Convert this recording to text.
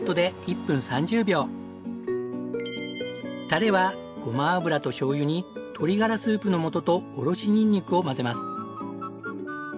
タレはごま油としょうゆに鶏ガラスープの素とおろしニンニクを混ぜます。